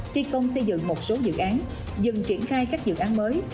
thi công xây dựng một số dự án dừng triển khai các dự án mới